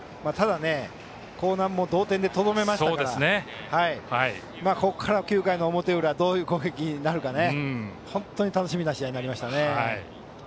興南も同点でとどめましたから９回の表裏どういう攻撃になるか本当に楽しみな試合になりました。